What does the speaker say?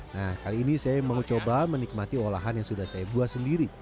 nah kali ini saya mau coba menikmati olahan yang sudah saya buat sendiri